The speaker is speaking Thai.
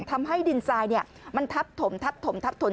ทำให้ดินทรายมันทับถมทับถมทับถน